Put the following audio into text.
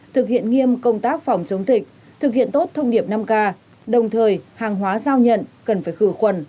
thực hiện nghiêm công tác phòng chống dịch thực hiện tốt thông điệp năm k đồng thời hàng hóa giao nhận cần phải khử khuẩn